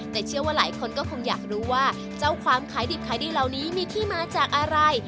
แต่เชื่อว่าหลายคนก็คงอยากรู้ว่าเจ้าความขายดิบขายดีเหล่านี้มีที่มาจากอะไร